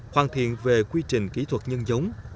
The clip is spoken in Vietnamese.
hoàn thiện về quy trình kỹ thuật nhân giống